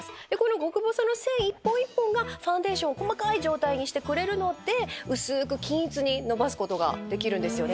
極細の繊維一本一本がファンデーションを細かい状態にしてくれるので薄く均一にのばすことができるんですよね。